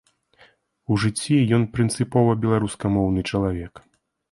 У жыцці ён прынцыпова беларускамоўны чалавек.